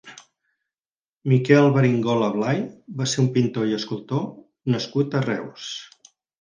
Miquel Beringola Blay va ser un pintor i escultor nascut a Reus.